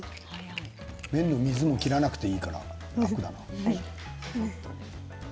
麺の水を切らなくていいから。